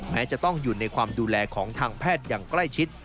แม้จะต้องอยู่ในความดูแลของทางแพทย์อย่างใกล้ชิด